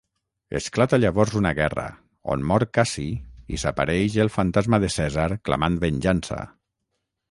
Esclata llavors una guerra, on mor Cassi i s'apareix el fantasma de Cèsar clamant venjança.